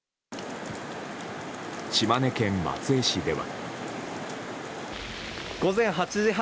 島根県松江市では。